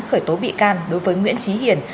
khởi tố bị can đối với nguyễn trí hiền